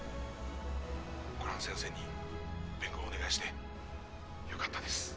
コラン先生に弁護をお願いして良かったです。